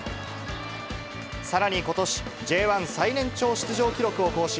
さらにことし、Ｊ１最年長出場記録を更新。